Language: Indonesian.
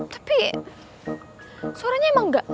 tapi suaranya emang gak asing